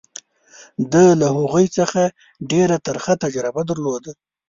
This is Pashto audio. ده له هغوی څخه ډېره ترخه تجربه درلوده.